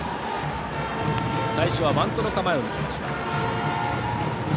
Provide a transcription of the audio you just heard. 最初はバントの構えを見せました。